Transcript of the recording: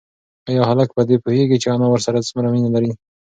ایا هلک په دې پوهېږي چې انا ورسره څومره مینه لري؟